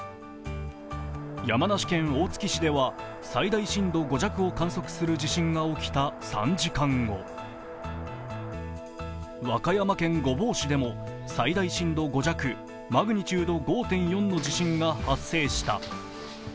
山梨県大月市では最大震度５弱を観測する地震が起きた３時間後和歌山県御坊市でも最大震度５弱、マグニチュード５．４の地震が発生した。